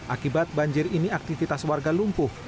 akibat banjir ini aktivitas warga lumpuh